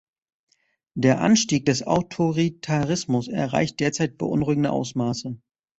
Der Anstieg des Autoritarismus erreicht derzeit beunruhigende Ausmaße.